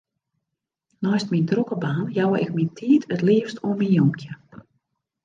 Neist myn drokke baan jou ik myn tiid it leafst oan myn jonkje.